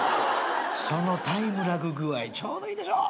そのタイムラグ具合ちょうどいいでしょう。